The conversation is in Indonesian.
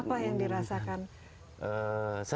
apa yang dirasakan